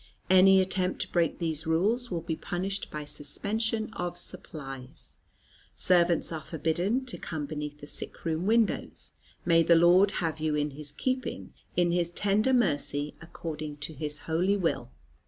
Any attempt to break these rules will be punished by suspension of supplies. Servants are forbidden to come beneath the sick room windows. May the Lord have you in His keeping, in His tender mercy, according to His holy will.